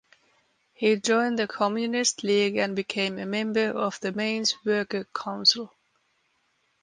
He joined the Communist League and became a member of the Mainz Worker Council.